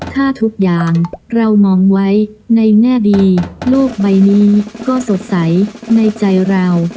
ถ้าทุกอย่างเรามองไว้ในแง่ดีโลกใบนี้ก็สดใสในใจเรา